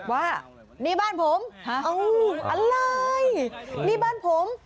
ว่านี่บ้านผมอะไรนี่บ้านผม